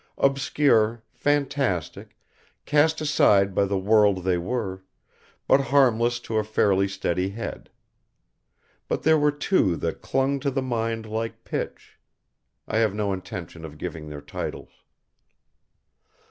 Obscure, fantastic, cast aside by the world they were, but harmless to a fairly steady head. But there were two that clung to the mind like pitch. I have no intention of giving their titles.